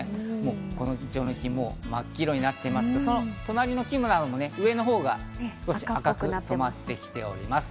このイチョウの木、真っ黄色になってますが、その隣の木なども上のほうが赤く染まってきております。